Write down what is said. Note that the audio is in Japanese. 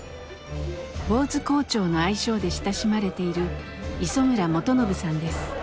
「ぼうず校長」の愛称で親しまれている磯村元信さんです。